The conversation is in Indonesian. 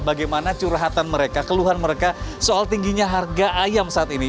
bagaimana curhatan mereka keluhan mereka soal tingginya harga ayam saat ini